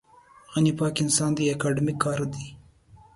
غني پاک انسان دی اکاډمیک کادر دی.